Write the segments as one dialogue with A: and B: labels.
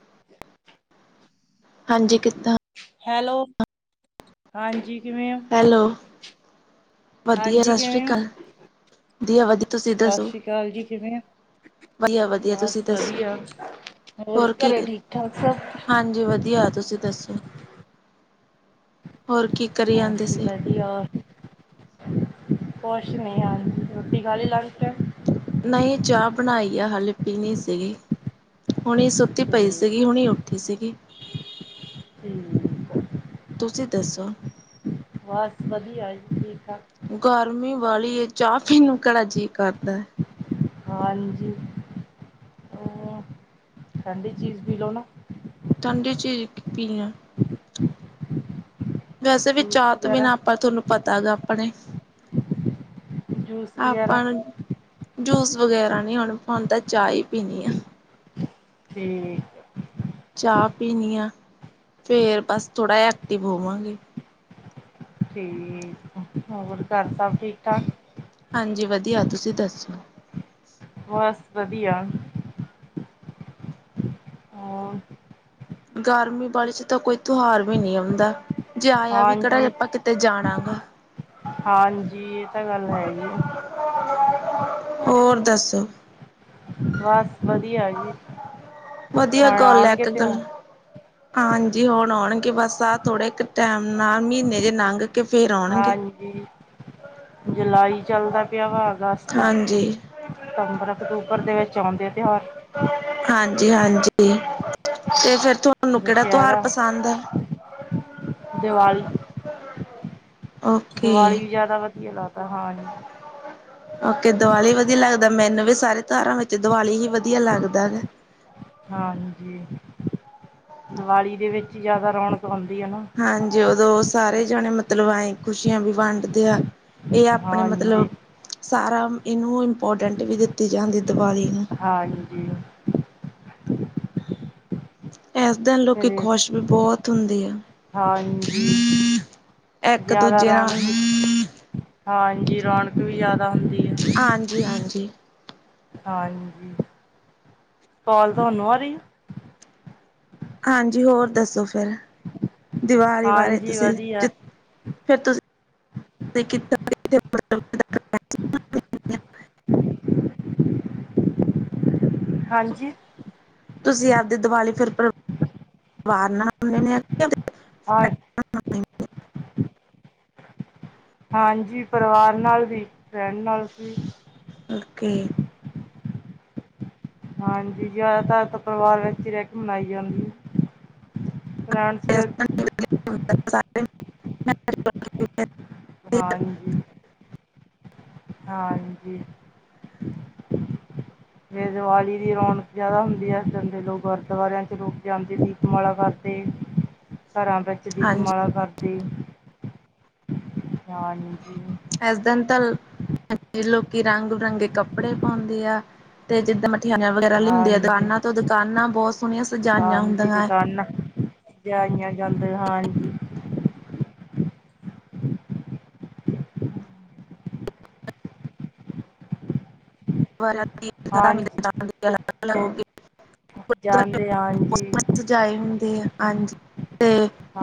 A: ਅ [inaudible]
B: ਹਾਂਜੀ ਕਿੱਦਾਂ?
A: ਹੈਲੋ, ਹਾਂਜੀ ਕਿਵੇਂ ਹੋ?
B: ਹੈਲੋ, ਵਧੀਆ
A: ਹਾਂਜੀ
B: ਸਤਿ ਸ੍ਰੀ
A: ਕਿਵੇਂ ਹੋ?
B: ਅਕਾਲ, ਜੀ ਵਧੀਆ ਤੁਸੀਂ
A: ਸਤਿ
B: ਦੱਸੋ?
A: ਸ਼੍ਰੀ ਅਕਾਲ ਜੀ ਕਿਵੇਂ ਹੋ?
B: ਵਧੀਆ -ਵਧੀਆ ਤੁਸੀਂ
A: ਬਸ
B: ਦੱਸੋ?
A: ਵਧੀਆ।
B: ਹੋਰ ਕੀ,
A: ਘਰੇ ਠੀਕ ਠਾਕ ਸਭ?
B: ਹਾਂਜੀ ਵਧੀਆ ਆ ਤੁਸੀਂ ਦੱਸੋ? ਹੋਰ ਕੀ ਕਰੀ ਆਂਦੇ ਸੀ?
A: ਜਹ ਕੁਸ਼ ਨਹੀਂ ਆ ਰੋਟੀ ਖਾ ਲਈ ਲਾਂ ਕੇ।
B: ਨਹੀਂ ਚਾਹ ਬਣਾਈ ਆ ਹਾਲੇ ਪੀਣੀ ਸੀਗੀ। ਹੁਣੀ ਸੁੱਤੀ ਪਈ ਸੀਗੀ, ਹੁਣੀ ਉੱਠੀ ਸੀਗੀ।
A: ਹੂੰ।
B: ਤੁਸੀਂ ਦੱਸੋ?
A: ਬਸ ਵਧੀਆ ਜੀ, ਠੀਕ -ਠਾਕ
B: ਗਰਮੀ ਵਾਲੀ ਐ, ਚਾਹ ਪੀਣ ਨੂੰ ਕਿਹੜਾ ਜੀਅ ਕਰਦਾ ਏ।
A: ਹਾਂਜੀ! ਉਹ ਠੰਡੀ ਚੀਜ਼ ਪੀ ਲਓ ਨਾ
B: ਠੰਡੀ ਚੀਜ਼ [unintelligible] ਵੈਸੇ ਵੀ
A: ਜੂਸ
B: ਚਾਹ ਤੋਂ
A: ਵਗੈਰਾ
B: ਬਿਨਾਂ ਆਪਾਂ ਥੋਨੂੰ ਪਤਾ ਹੈਗਾ ਆਪਣੇ
A: ਜੂਸ ਵਗੈਰਾ
B: ਆਪਾਂ ਨੂੰ, ਜੂਸ ਵਗੈਰਾ ਨਹੀਂ ਹੁੰਣ, ਹੁਣ ਤਾਂ ਚਾਹ ਹੀ ਪੀਣੀ ਹੈ।
A: 'ਤੇ
B: ਚਾਹ ਪੀਣੀ ਹੈ, ਫੇਰ ਬਸ ਥੋੜ੍ਹਾ ਜਿਹਾ ਐਕਟਿਵ ਹੋਵਾਂਗੀ।
A: ਠੀਕ, ਹੋਰ ਘਰ ਸਭ ਠੀਕ- ਠਾਕ
B: ਹਾਂਜੀ! ਵਧੀਆ ਤੁਸੀਂ ਦੱਸੋ
A: ਬਸ ਵਧੀਆ ਹੋਰ
B: ਗਰਮੀ ਬਾੜੀ 'ਚ ਤਾਂ ਕੋਈ ਤਿਉਹਾਰ ਵੀ ਨਹੀਂ ਆੰਦਾ ਜੇ ਆਇਆ ਵੀ, ਕਿਹੜਾ
A: ਹਾਂਜੀ
B: ਆਪਾਂ ਕਿਤੇ ਜਾਣਾ ਗਾ
A: ਹਾਂਜੀ! ਇਹ ਤਾਂ ਗੱਲ ਹੈ ਗੀ ਐ
B: [unintelligible] ਹੋਰ ਦੱਸੋ
A: ਬਸ ਵਧੀਆ ਜੀ
B: ਵਧੀਆ
A: ਹੁਣ
B: ਗੱਲ ਹੈ
A: ਆਉਣਗੇ
B: ਇੱਕ
A: ਤਿਉਹਾਰ
B: ਗੱਲ ਹਾਂਜੀ ਹੁਣ ਆਉਣਗੇ ਬਸ ਆਹ ਥੋੜੇ ਇੱਕ ਟੈਮ ਨਾਲ ਮਹੀਨੇ ਜੇ ਲੰਘ ਕੇ ਫੇਰ ਆਉਣਗੇ
A: ਹਾਂਜੀ! ਜੁਲਾਈ ਚੱਲਦਾ ਪਿਆ ਵਾ ਅਗਸਤ
B: ਹਾਂਜੀ
A: ਸਤੰਬਰ, ਅਕਤੂਬਰ ਦੇ ਵਿੱਚ ਆਉਂਦੇ ਤਿਉਹਾਰ
B: ਹਾਂਜੀ-ਹਾਂਜੀ, ਤੇ ਫਿਰ ਥੋ
A: ਦੁਸਹਿਰਾ, ਦੀਵਾਲੀ
B: ਓਕੇ
A: ਦੀਵਾਲੀ ਵੀ ਜਿਆਦਾ ਵਧੀਆ ਲੱਗਦਾ, ਹਾਂਜੀ
B: ਓਕੇ ਦੀਵਾਲੀ ਵਧੀਆ ਲੱਗਦਾ, ਮੈਨੂੰ ਵੀ ਸਾਰੇ ਤਿਉਹਾਰਾਂ ਵਿੱਚ ਦੀਵਾਲੀ ਹੀ ਵਧੀਆ ਲੱਗਦਾ ਹੈਗਾ
A: ਹਾਂਜੀ, ਦੀਵਾਲੀ ਦੇ ਵਿੱਚ ਹੀ ਜਿਆਦਾ ਰੌਣਕ ਆਉਂਦੀ ਹੈ ਨਾ
B: ਹਾਂਜੀ ਉਦੋਂ ਸਾਰੇ ਜਾਣੇ ਮਤਲਬ ਆਏ ਖੁਸ਼ੀਆਂ ਵੀ ਵੰਡਦੇ ਆ ਇਹ ਆਪਣੇ ਮਤਲਬ,
A: ਹਾਂਜੀ
B: ਸਾਰਾ ਇਹਨੂੰ ਇੰਪੋਰਟੈਂਟ ਵੀ ਦਿੱਤੀ ਜਾਂਦੀ ਦੀਵਾਲੀ ਨੂੰ
A: ਹਾਂਜੀ।
B: ਇਸ ਦਿਨ ਲੋਕੀ
A: ਫਿਰ
B: ਖ਼ੋਸ਼ ਵੀ ਬਹੁਤ ਹੁੰਦੇ ਆ।
A: ਹਾਂਜੀ
B: ਇੱਕ
A: ਜ਼ਿਆਦਾ
B: ਦੂਜੇ ਨਾਲ
A: ਰੌਣਕ ਹਾਂਜੀ, ਰੌਣਕ ਵੀ ਜਿਆਦਾ ਹੁੰਦੀ ਹੈ
B: ਹਾਂਜੀ-ਹਾਂਜੀ।
A: ਹਾਂਜੀ, ਕਾੱਲ ਤੁਹਾਨੂੰ ਆ ਰਹੀ ਹੇ
B: ਹਾਂਜੀ ਹੋਰ ਦੱਸੋ ਫਿਰ, ਦੀਵਾਲੀ ਬਾਰੇ
A: ਹਾਂਜੀ
B: ਤੁਸੀਂ
A: ਵਧੀਆ
B: ਜਿ ਫੇਰ ਤੁਸੀਂ, ਕੀਤਾ [unintelligible]
A: ਹਾਂਜੀ।
B: ਤੁਸੀਂ ਆਪਦੀ ਦੀਵਾਲੀ ਫਿਰ ਪਰ [inaudible] ਪਰਿਵਾਰ ਨਾਲ ਨੇ
A: [unintelligible] ਹਾਂਜੀ ਪਰਿਵਾਰ ਨਾਲ ਵੀ, ਫਰੈਂਡ ਨਾਲ ਸੀ
B: ਓਕੇ
A: ਹਾਂਜੀ ਜ਼ਿਆਦਾਤਰ ਤਾਂ ਪਰਿਵਾਰ ਵਿੱਚ ਹੀ ਰਹਿ ਕੇ ਮਨਾਈ ਜਾਂਦੀ ਏ। ਫਰੈਂਡ
B: [unintelligible]
A: ਹਾਂਜੀ। ਹਾਂਜੀ।
B: [unintelligible]
A: ਫੇਰ ਦੀਵਾਲੀ ਦੀ ਰੌਣਕ ਜਿਆਦਾ ਹੁੰਦੀ ਹੈ ਇਸ ਕਰਕੇ ਲੋਕ ਗੁਰਦੁਆਰਿਆਂ ਚ ਲੋਕ ਜਾਂਦੇ ਸੀ। ਮਾਲਾ ਕਰਦੇ ਘਰਾਂ ਵਿੱਚ
B: ਹਾਂਜੀ
A: ਦੀਪਮਾਲਾ ਕਰਦੇ ਹਾਂ ਜੀ
B: ਇਸ ਦਿਨ ਤਾਂ ਲੋਕੀ ਰੰਗ ਬਿਰੰਗੇ ਕੱਪੜੇ ਪਾਉਂਦੇ ਆ। ਤੇ ਜਿੱਦਾਂ ਮਠਿਆਈਆਂ ਵਗੈਰਾ ਵੀ ਹੁੰਦੀਆਂ
A: ਹਾਂਜੀ
B: ਦੁਕਾਨਾਂ ਤੋਂ ਦੁਕਾਨਾਂ ਬਹੁਤ ਸੋਹਣੀਆਂ ਸਜਾਈਆਂ
A: ਹਾਂਜੀ
B: ਹੁੰਦੀਆਂ।
A: ਦੁਕਾਨਾਂ ਸਜਾਈਆਂ ਜਾਂਦੀਆਂ ਹਨ
B: ਅਲਗ
A: ਹਾਂਜੀ
B: ਹੋ
A: ਜਾਂਦੇ ਹਾਂਜੀ
B: [unintelligible] ਸਜਾਏ ਹੁੰਦੇ ਆ ਹਾਂਜੀ ਤੇ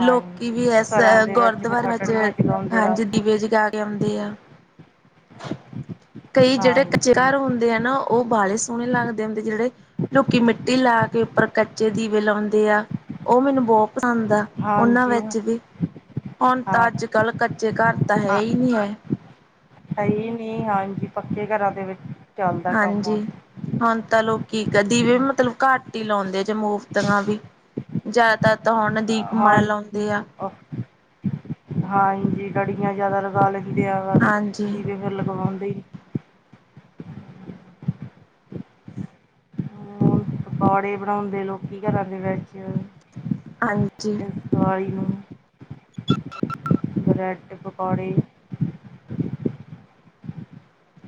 B: ਲੋਕੀ ਵੀ ਇਸ
A: ਘਰਾਂ ਦੇ ਵਿੱਚ ਫਿਰ
B: ਗੁਰਦੁਆਰ ਵਿੱਚ
A: ਹਟੜੀਆਂ ਚਲਾਉਂਦੇ ਰ
B: ਹਾਂਜੀ ਦੀਵੇ ਜਗਾ ਕੇ ਆਉਂਦੇ ਆ। ਕਈ ਜਿਹੜੇ ਕੱਚੇ
A: ਹਾਂਜੀ
B: ਘਰ ਹੁੰਦੇ ਆ ਨਾ ਉਹ ਉਹ ਬਾਲੇ ਸੋਹਣੇ ਲੱਗਦੇ ਹੁੰਦੇ ਜਿਹੜੇ ਲੋਕੀ ਮਿੱਟੀ ਲਾ ਕੇ ਉੱਪਰ ਕੱਚੇ ਦੀਵੇ ਲਾਉਂਦੇ ਆ। ਉਹ ਮੈਨੂੰ ਬਹੁਤ ਪਸੰਦ ਆ ਉਹਨਾਂ
A: ਹਾਂਜੀ ਹਾਂ
B: ਵਿੱਚ ਵੀ ਹੁਣ ਤਾਂ
A: ਹਾਂ
B: ਅੱਜ ਕੱਲ ਕੱਚੇ ਘਰ ਤਾਂ ਹੈ ਹੀ ਨਹੀ ਹੈ।
A: ਹੈ ਈ ਨੀ ਹਾਂਜੀ ਪੱਕੇ ਘਰਾਂ ਦੇ ਵਿੱਚ ਚੱਲਦਾ ਕੰਮ
B: ਹਾਂਜੀ
A: ਹੁਣ।
B: ਹੁਣ ਤਾਂ ਲੋਕੀ ਕਦੀ ਦੀਵੇ ਵੀ ਮਤਲਬ ਘੱਟ ਹੀ ਲਾਉਂਦੇ ਜੇ ਮੋਮਬੱਤੀਆਂ ਵੀ ਜ਼ਿਆਦਾ ਤਾਂ ਹੁਣ ਦੀਪ
A: ਹਾਂ
B: ਮਾਲਾ ਹੁੰਦੀ ਆ-
A: ਹਾਂਜੀ ਲੜੀਆਂ ਜਿਆਦਾ ਲਗਾ ਲੈਂਦੇ ਆ ਬਸ
B: ਹਾਂਜੀ
A: ਜਿਵੇ ਫਿਰ ਲਗਵਾਉਂਦੀ। ਹੁਣ ਪਕੌੜੇ ਬਣਾਉਂਦੇ ਲੋਕੀ ਘਰਾਂ ਦੇ ਵਿੱਚ।
B: ਹਾਂਜੀ।
A: ਦਿਵਾਲੀ ਨੂੰ। ਬਰੈਡ ਪਕੌੜੇ।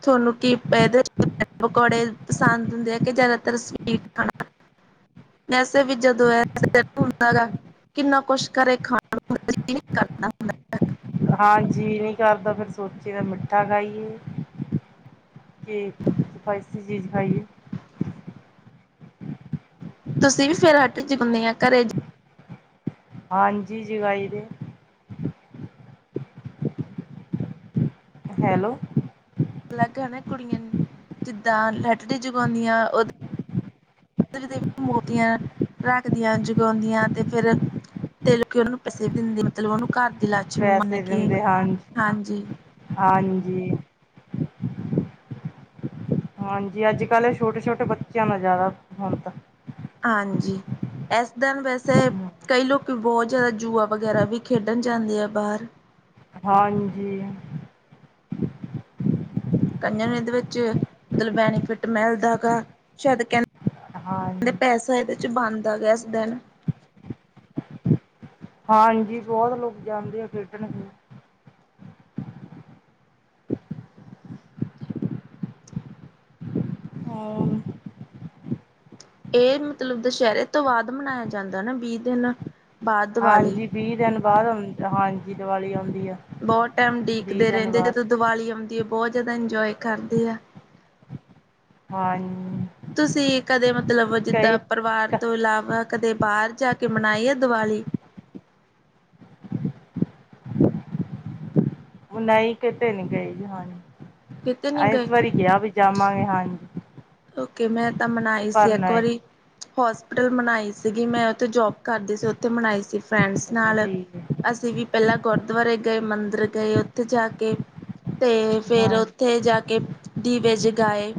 B: ਥੋਨੂੰ ਕੀ ਏਦੇ ਚ ਪਕੌੜੇ ਪਸੰਦ ਹੁੰਦੇ ਆ ਕਿ ਜ਼ਿਆਦਾਤਰ ਸਵੀਟ ਖਾਣਾ। [inaudible] ਵੈਸੇ ਵੀ ਜਦੋਂ ਐ ਸਟਿਪ ਹੁੰਦਾ ਗਾ ਕਿੰਨਾ ਕੁਛ ਘਰੇ ਖਾਣ ਨੂੰ ਆ ਜੀ। ਕੀ ਕਰਦਾ ਹੁਨਾ।
A: ਹਾਂ, ਜੀ ਨਹੀਂ ਕਰਦਾ ਫਿਰ ਸੋਚੀ ਦਾ ਮਿੱਠਾ ਖਾਈਏ। ਕੇ ਸਪਾਈਸੀ ਚੀਜ਼ ਖਾਈਏ।
B: ਤੁਸੀਂ ਵੀ ਫਿਰ ਹੱਟ ਚ ਹੁਨੀ ਆ ਘਰੇ ਚ।
A: ਹਾਂਜੀ ਜਗਾਈ ਦੇ। ਹੈਲੋ।
B: ਅਲੱਗ ਹਨਾ ਕੁੜੀਆਂ ਜਿੱਦਾਂ ਲਾਈਟਾਂ ਜਗਾਉਂਦੀਆਂ ਉਦਾ। ਤੇ ਫਿਰ ਮੋਮਬੱਤੀਆਂ ਰੱਖਦੀਆਂ ਜਗਾਉਂਦੀਆਂ ਤੇ ਫਿਰ। ਤੇ ਲੋਕੀ ਉਹਨੂੰ ਪੈਸੇ ਦਿੰਦੇ ਮਤਲਬ ਉਹਨੂੰ ਘਰ ਦੀ ਲੱਛਮੀ ਮੰਨ
A: ਪੈਸੇ
B: ਕੇ
A: ਦਿੰਦੇ ਹਨ
B: ਹਾਂਜੀ।
A: ਹਾਂਜੀ। ਹਾਂਜੀ ਹਾਂਜੀ ਅੱਜ ਕੱਲ੍ਹ ਛੋਟੇ ਛੋਟੇ ਬੱਚਿਆਂ ਦਾ ਜ਼ਿਆਦਾ ਹੁਣ ਤਾਂ।
B: ਹਾਂਜੀ। ਇਸ ਦਿਨ ਵੈਸੇ ਕਈ ਲੋਕੀ ਬਹੁਤ ਜ਼ਿਆਦਾ ਜੂਆ ਵਗੈਰਾ ਵੀ ਖੇਡਣ ਜਾਂਦੇ ਆ ਬਾਹਰ।
A: ਹਾਂਜੀ।
B: ਕਈਆਂ ਨੇ ਇਹਦੇ ਵਿੱਚ ਮਤਲਬ ਬੈਨੀਫਿਟ ਮਿਲਦਾ ਗਾ, ਸ਼ਾਇਦ ਕਹਿੰਦੇ।
A: ਹਾਂ
B: ਅਗਰ, ਪੈਸੇ ਇਦੇ ਵਿੱਚ ਬਣਦਾ ਗਿਆ ਇਸ ਦਿਨ।
A: ਹਾਂ ਇਹ ਵੀ ਬਹੁਤ ਲੋਕ ਜਾਂਦੇ ਆ ਖੇਡਣ। ਹੋਰ
B: ਇਹ ਮਤਲਬ ਦੁਸਹਿਰੇ ਤੋਂ ਬਾਅਦ ਮਨਾਇਆ ਜਾਂਦਾ ਨਾ ਵੀਹ ਦਿਨ। ਬਾਅਦ ਦੀਵਾਲੀ
A: ਹਾਂਜੀ ਵੀਹ ਦਿਨ ਬਾਅਦ ਹਾਂਜੀ ਦੀਵਾਲੀ ਆਉਂਦੀ ਆ।
B: ਬਹੁਤ ਟਾਈਮ
A: ਵੀਹ
B: ਉਡੀਕਦੇ
A: ਦਿਨ
B: ਰਹਿੰਦੇ
A: ਬਾਅਦ
B: ਜਦੋਂ ਦੀਵਾਲੀ ਆਉਂਦੀ ਐ, ਬਹੁਤ ਜ਼ਿਆਦਾ ਇੰਨਜੋਏ ਕਰਦੇ ਆ।
A: ਹਾ
B: ਤੁਸੀਂ ਕਦੇ ਮਤਲਬ ਜਿੱਦਾਂ ਪਰਿਵਾਰ ਤੋਂ ਇਲਾਵਾ ਕਦੇ ਬਾਹਰ ਜਾ ਕੇ ਮਨਾਈ ਆ ਦਿਵਾਲੀ।
A: ਨਹੀਂ ਕਿਤੇ ਨੀ ਗਈ,
B: ਕਿਤੇ ਨਹੀਂ
A: ਹਾਂਜੀ ਇਸ
B: ਗਏ
A: ਵਾਰੀ ਕਿਆ ਵੀ ਜਾਵਾਂਗੇ, ਹਾਂਜੀ।
B: ਕਿਉਂਕਿ ਮੈਂ ਤਾਂ ਮਨਾਈ ਸੀ
A: ਪਰ
B: ਇੱਕ
A: ਨਹੀਂ
B: ਵਾਰੀ। ਹੋਸਪਿਟਲ ਬਣਾਈ ਸੀਗੀ, ਮੈਂ ਉੱਥੇ ਜੋਬ ਕਰਦੀ ਸੀ ਉੱਥੇ ਮਨਾਈ ਸੀ ਫਰੈਂਡਸ ਨਾਲ।
A: ਠੀਕ
B: ਅਸੀਂ ਵੀ ਪਹਿਲਾਂ ਗੁਰਦੁਆਰੇ ਗਏ ਮੰਦਿਰ ਗਏ ਉੱਥੇ ਜਾ ਕੇ ਤੇ ਫਿਰ
A: ਹਾਂਜੀ
B: ਤੇ ਜਾ ਕੇ ਦੀਵੇ ਜਗਾਏ।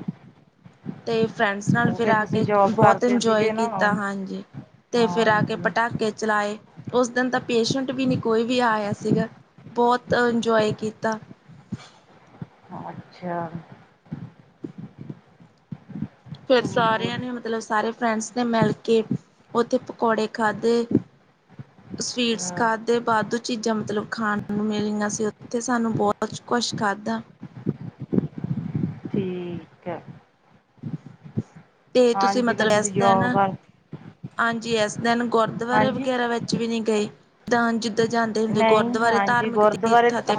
B: ਤੇ ਫਰੈਂਡਸ ਨਾਲ
A: ਉਹ
B: ਫਿਰ
A: ਫੇਰ
B: ਆ ਕੇ
A: ਤੁਸੀਂ ਜੋਬ
B: ਬਹੁਤ
A: ਕਰਦੇ
B: ਇੰਨਜੋਏ
A: ਸੀਗੇ ਨਾ ਹਾਂ
B: ਕੀਤਾ, ਹਾਂਜੀ ਤੇ ਫਿਰ ਆ ਕੇ
A: ਹਾਂਜੀ
B: ਪਟਾਕ -ਕੇ ਚਲਾਏ ਉਸ ਦਿਨ ਤਾਂ ਪੇਸ਼ੈਂਟ ਵੀ ਨੀ ਕੋਈ ਵੀ ਆਇਆ ਸੀਗਾ। ਬਹੁਤ ਇੰਨਜੋਏ ਕੀਤਾ।
A: ਅੱਛਾ।
B: ਫਿਰ
A: ਹੋਰ
B: ਸਾਰਿਆਂ ਨੇ ਮਤਲਬ ਸਾਰੇ ਫਰੈਂਡਸ ਨੇ ਮਿਲ ਕੇ ਉੱਥੇ ਪਕੌੜੇ ਖਾਂਦੇ। ਸਵੀਟਸ
A: ਅੱਛਾ
B: ਖਾਦੇ ਵਾਧੂ ਚੀਜ਼ਾਂ ਮਤਲਬ ਖਾਣ ਨੂੰ ਮਿਲੀਆਂ ਸੀ ਉੱਥੇ, ਸਾਨੂੰ ਬਹੁਤ ਕੁੱਛ ਖਾਂਦਾ।
A: ਠੀਕ ਐ।
B: ਤੇ ਤੁਸੀਂ
A: ਹਾਂਜੀ ਫੇਰ
B: ਮਤਲਬ ਐਸ
A: ਤੁਸੀਂ
B: ਦਿਨ
A: ਜੋਬ ਕਰ
B: ਹਾਂਜੀ ਇਸ ਦਿਨ ਗੁਰਦੁਆਰੇ
A: ਹਾਂਜੀ
B: ਵਗੈਰਾ ਵਿੱਚ ਵੀ ਨੀ ਗਈ ਤਾਂ ਜਿਦੇ ਤੇ ਜਾਂਦੇ ਹੁੰਦੇ
A: ਨਹੀਂ
B: ਗੁਰਦੁਆਰੇ ਧਾਰਮਿਕ ਤੀਰਥਾਂ ਤੇ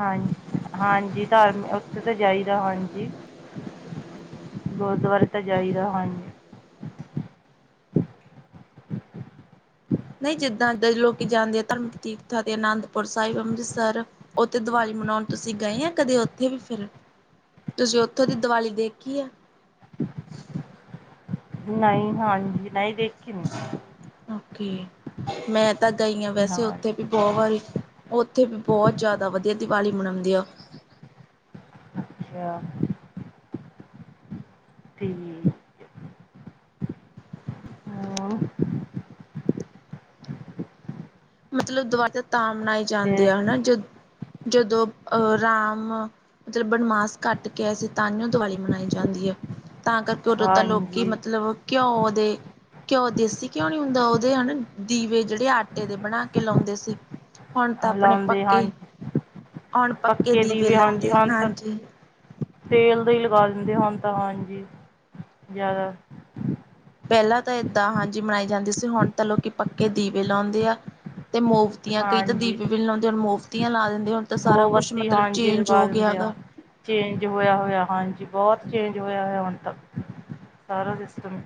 A: ਹਾਂਜੀ-ਹਾਂਜੀ ਧਾਰਮ ਉੱਥੇ ਤਾਂ ਜਾਈਦਾ ਹਾਂਜੀ ਗੁਰਦੁਆਰੇ ਤਾਂ ਜਾਈਦਾ ਹਾਂਜੀ।
B: ਨਹੀਂ ਜਿੱਦਾਂ ਦੇ ਲੋਕੀ ਜਾਂਦੇ ਆ ਧਾਰਮਿਕ ਤੀਰਥਾਂ ਤੇ ਅਨੰਦਪੁਰ ਸਾਹਿਬ, ਅੰਮ੍ਰਿਤਸਰ ਉੱਥੇ ਦੀਵਾਲੀ ਮਨਾਉਣ ਤੁਸੀਂ ਗਏ ਆ ਕਦੇ ਉੱਥੇ ਵੀ ਫਿਰ ਤੁਸੀਂ ਉੱਥੋ ਦੀ ਦੀਵਾਲੀ ਦੇਖੀ ਆ।
A: ਨਈ, ਹਾਂਜੀ ਨਈ ਦੇਖੀ ਮੈ
B: ਓਕੇ ਮੈਂ ਤਾਂ ਗਈ ਹਾਂ ਵੈਸੇ ਉੱਥੇ ਵੀ ਬਹੁ ਵਾਰੀ, ਉੱਥੇ ਵੀ ਬਹੁਤ ਜ਼ਿਆਦਾ ਵਧੀਆ ਦੀਵਾਲੀ ਮਨਾਉਂਦੇ ਆ।
A: ਅੱਛਾ। ਠੀ ਹੂੰ
B: ਮਤਲਬ ਦੀਵਾਲੀ ਤਾਂ ਮਨਾਈ ਜਾਂਦੀ
A: ਫੇਰ
B: ਆ ਹਨਾ ਜਦੋਂ ਅਹ ਰਾਮ ਮਤਲਬ ਬਨਵਾਸ ਘੱਟ ਕੇ ਆਏ ਸੀ ਤਾਂਈਓ ਦੀਵਾਲੀ ਮਨਾਈ ਜਾਂਦੀ ਆ। ਤਾਂ ਕਰਕੇ ਉਦੋਂ ਤਾਂ ਲੋਕੀ
A: ਹਾਂਜੀ
B: ਮਤਲਬ ਘਿਓ ਦੇ ਘਿਓ ਦੇਸੀ ਘਿਓ ਨੀ ਹੁੰਦਾ, ਉਹਦੇ ਹਨਾ ਦੀਵੇ ਜਿਹੜੇ ਆਟੇ ਦੇ ਬਣਾ ਕੇ ਲਾਉਂਦੇ ਸੀ। ਹੁਣ ਤਾਂ ਆਪਣੇ
A: ਲਾਉਂਦੇ
B: ਪੱਕੇ,
A: ਹਾਂਜੀ
B: ਹੁਣ ਪੱਕੇ ਦੀਵੇ
A: ਹਾਂਜੀ
B: ਲਾਉਂਦੇ
A: ਹੁਣ ਤਾਂ
B: ਹਾਂਜੀ
A: ਤੇਲ ਦੇ ਹੀ ਲਗਾ ਦਿੰਦੇ ਹੁਣ ਤਾਂ ਹਾਂਜੀ, ਜ਼ਿਆਦਾ
B: ਪਹਿਲਾਂ ਤਾਂ ਏਦਾਂ ਹਾਂਜੀ ਮਨਾਈ ਜਾਂਦੀ ਸੀ ਹੁਣ ਤਾਂ ਲੋਕੀ ਪੱਕੇ ਦੀਵੇ ਲਾਉਂਦੇ ਆ ਤੇ ਮੋਵੱਤੀਆਂ ਕਈ ਤਾਂ
A: ਹਾਂਜੀ
B: ਦੀਵੇ ਵੀ ਲਾਉਂਦੇ ਆ, ਮੋਵੱਤੀਆਂ ਲਾ ਦਿੰਦੇ ਹੁਣ ਤਾਂ ਸਾਰਾ ਕੁੱਛ
A: ਮੋਮਬੱਤੀ
B: ਮਤਲਬ
A: ਹਾਂਜੀ
B: ਚੇਂਜ
A: ਲਗਾ
B: ਹੋ ਗਿਆ
A: ਦਿੰਦੇ
B: ਵਾ
A: ਆ ਚੇਂਜ ਹੋਇਆ-ਹੋਇਆ ਹਾਂਜੀ ਬਹੁਤ ਚੇਂਜ ਹੋਇਆ- ਹੋਇਆ ਹੁਣ ਤੱਕ ਸਾਰਾ ਸਿਸਟਮ।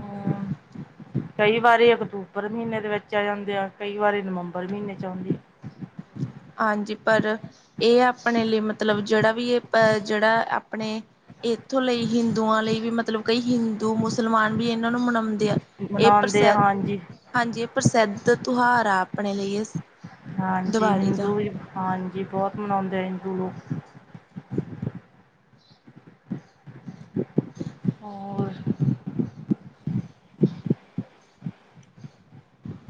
A: ਹਮ
B: [inaudible]
A: ਕਈ ਵਾਰੀ ਅਕਤੂਬਰ ਮਹੀਨੇ ਦੇ ਵਿੱਚ ਆ ਜਾਂਦੀ ਆ, ਕਈ ਵਾਰੀ ਨਵੰਬਰ ਮਹੀਨੇ ਚ ਆਉਂਦੀ ਆ।
B: ਹਾਂਜੀ ਪਰ ਇਹ ਆਪਣੇ ਲਈ ਮਤਲਬ ਜਿਹੜਾ ਵੀ ਇਹ ਜਿਹੜਾ ਆਪਣੇ ਇੱਥੋਂ ਲਈ ਹਿੰਦੂਆਂ ਲਈ ਵੀ ਮਤਲਬ ਕਈ ਹਿੰਦੂ ਮੁਸਲਮਾਨ ਵੀ ਇਹਨਾਂ ਨੂੰ ਮਨਾਉਂਦੇ ਆ। ਇਹ
A: ਮਨਾਉਂਦੇ ਆ
B: ਪ੍ਰਸਿੱਧ
A: ਹਾਂਜੀ
B: ਹਾਂਜੀ ਇਹ ਪ੍ਰਸਿੱਧ ਤਿਉਹਾਰ ਆ ਆਪਣੇ ਲਈ
A: ਹਾਂਜੀ
B: ਦੀਵਾਲੀ ਦਾ
A: ਹਿੰਦੂ ਹਾਂਜੀ ਬਹੁਤ ਮਨਾਉਂਦੇ ਆ ਹਿੰਦੂ ਲੋਕ ਹੋਰ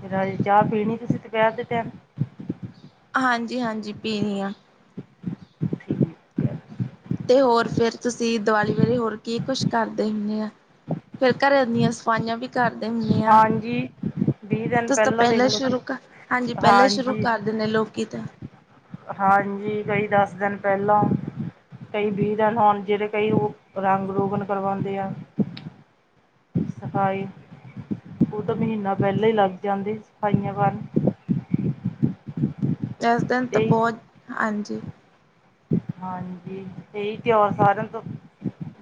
A: ਫਿਰ ਅਜ ਚਾਹ ਪੀਣੀ ਤੁਸੀਂ ਦੁਪਹਿਰ ਦੇ ਟਾਈਮ
B: ਹਾਂਜੀ- ਹਾਂਜੀ ਪੀਣੀ ਆ। ਤੇ ਹੋਰ ਫਿਰ ਤੁਸੀਂ ਦੀਵਾਲੀ ਵੇਲੇ ਹੋਰ ਕੀ ਕੁਛ ਕਰਦੇ ਹੁਨੇ ਆ ਫਿਰ ਘਰਾਂ ਦੀਆਂ ਸਫਾਈਆਂ ਵੀ ਕਰਦੇ ਹੁੰਨੇ ਆ
A: ਹਾਂਜੀ ਵੀਹ ਦਿਨ
B: ਤੁਸੀ ਤਾਂ
A: ਦੇਖ
B: ਪਹਿਲਾਂ
A: ਲਓ
B: ਸ਼ੁਰੂ ਕਰ ਹਾਂਜੀ ਪਹਿਲਾਂ ਸ਼ੁਰੂ
A: ਹਾਂਜੀ
B: ਕਰ ਦਿਨੇ ਲੋਕੀ ਤਾਂ
A: ਹਾਂਜੀ ਕਈ ਦਸ ਦਿਨ ਪਹਿਲਾਂ ਕਈ ਵੀਹ ਦਿਨ ਹੁਨ ਜੇਰੇ ਕਈ ਉਹ ਰੰਗ ਰੋਗਨ ਕਰਵਾਉਂਦੇ ਆ। ਸਫਾਈ ਉਹ ਤਾਂ ਮਹੀਨਾ ਪਹਿਲਾਂ ਹੀ ਲੱਗ ਜਾਂਦੀ ਸਫਾਈਆਂ ਕਰਨ
B: ਇਸ ਦਿਨ ਤਾਂ
A: ਇਹੀ
B: ਬਹੁਤ ਹਾਂਜੀ
A: ਹਾਂਜੀ ਇਹੀ ਤਿਉਹਾਰ ਸਾਰਿਆਂ ਤੋਂ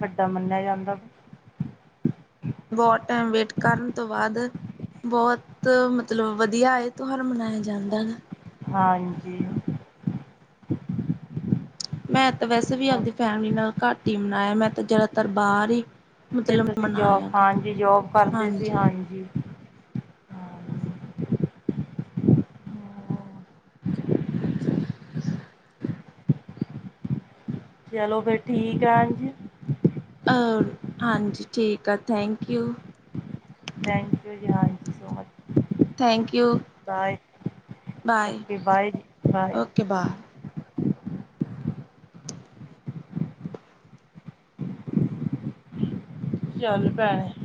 A: ਵੱਡਾ ਮੰਨਿਆ ਜਾਂਦਾ।
B: ਬਹੁਤ ਟਾਈਮ ਵੇਟ ਕਰਨ ਤੋਂ ਬਾਅਦ ਬਹੁਤ ਮਤਲਬ ਵਧੀਆ ਇਹ ਤਿਉਹਾਰ ਮਨਾਇਆ ਜਾਂਦਾ।
A: ਹਾਂਜੀ।
B: ਮੈਂ ਤਾਂ ਵੈਸੇ ਵੀ
A: ਹੋਰ
B: ਆਵਦੀ ਫੈਮਿਲੀ ਨਾਲ ਘੱਟ ਹੀ ਮਨਾਇਆ ਮੈਂ ਤਾਂ ਜ਼ਿਆਦਾਤਰ ਬਾਹਰ ਹੀ
A: ਫਿਰ
B: ਮਤਲਬ
A: ਤੁਸੀਂ ਜੋਬ
B: ਮਨਾਇਆ ਹੈਗਾ
A: ਹਾਂਜੀ ਜੋਬ ਕਰਦੇ ਸੀ
B: ਹਾਂਜੀ [inaudible]
A: ਚਲੋ ਫਿਰ ਠੀਕ ਆ ਹਾਂਜੀ
B: ਅ ਹਾਂਜੀ ਠੀਕ ਆ ਥੈਂਕ ਯੂ
A: ਥੈਂਕ ਯੂ ਜੀ ਹਾਂ you so much.
B: Thank you.
A: Bye.
B: Bye
A: okay bye ਜੀ ਬਾਏ
B: ਓਕੇ ਬਾ।
A: ਚੱਲ [unintelligible]